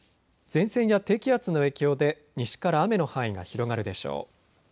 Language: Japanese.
前線や低気圧の影響で西から雨の範囲が広がるでしょう。